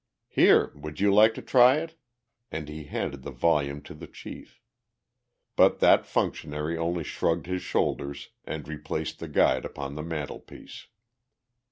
"Here, would you like to try it?" and he handed the volume to the chief. But that functionary only shrugged his shoulders and replaced the Guide upon the mantelpiece.